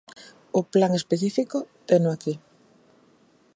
O plan específico teno aquí.